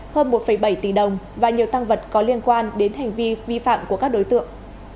hơn một bảy tỷ đồng và nhiều tăng vật có liên quan đến hành vi vi phạm của các đối tượng